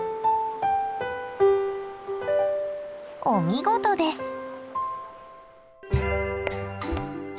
お見事です。